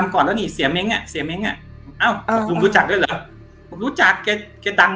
ทำก่อนแล้วนี่เสียเม้งอ่ะเสียเม้งอ่ะอ่าวลุงรู้จักด้วยเหรอ